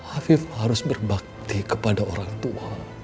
hafif harus berbakti kepada orang tua